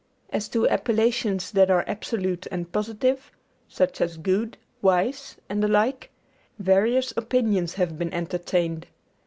As to appellations that are absolute and positive, such as good, wise, and the like, various opinions have been entertained.